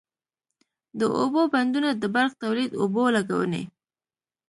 د اوبو بندونه د برق تولید، اوبو لګونی،